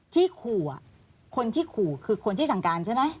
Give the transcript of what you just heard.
ที่ขู่คนที่ขู่คือคนที่สั่งการใช่ไหม